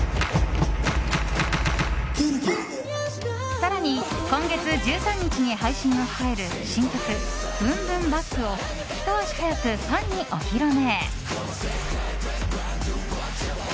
更に今月１３日に配信を控える新曲「ＢｏｏｍＢｏｏｍＢａｃｋ」をひと足早く、ファンにお披露目。